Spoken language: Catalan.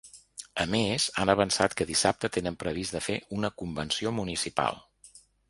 A més, han avançat que dissabte tenen previst de fer una convenció municipal.